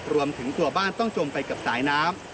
รวมถึงตัวบ้านต้องจมไปกับสายน้ำ